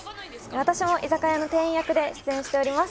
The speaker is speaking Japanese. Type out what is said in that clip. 私も居酒屋の店員役で出演しています。